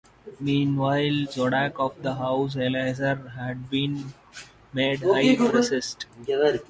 Meanwhile, Zadok, of the house of Eleazar, had been made High Priest.